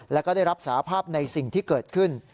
แล้วก็ได้รับสาภาพในสิ่งที่เกิดขึ้น